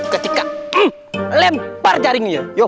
ketika lempar jaringnya